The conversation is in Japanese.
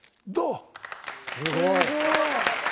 すごい。